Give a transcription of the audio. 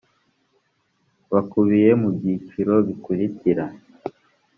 bakubiye mu byiciro bikurikira